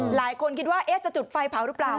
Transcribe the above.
หลายคนคิดว่าจะจุดไฟเผาหรือเปล่า